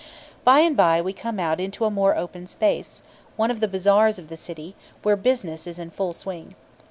By and by we come out into a more open space one of the bazaars of the city where business is in full swing.